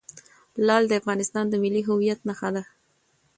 لعل د افغانستان د ملي هویت نښه ده.